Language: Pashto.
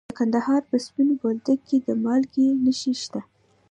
د کندهار په سپین بولدک کې د مالګې نښې شته.